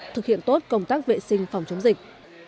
thực hiện tốt công tác vệ sinh phòng chống dịch